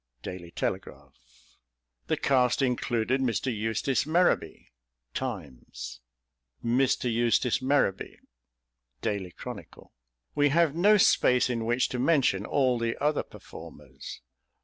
Daily Telegraph. "The cast included Mr. Eustace Merrowby." Times. "... Mr. Eustace Merrowby ..." Daily Chronicle. "We have no space in which to mention all the other performers."